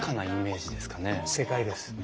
正解です！